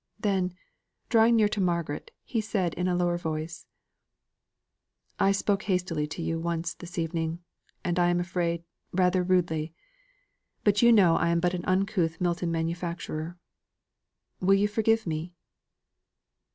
Then, drawing near to Margaret, he said in a lower voice "I spoke hastily to you once this evening, and I am afraid, rather rudely. But you know I am but an uncouth Milton manufacturer; will you forgive me?"